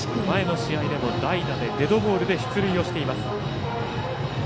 前の試合でも代打でデッドボールで出塁をしています。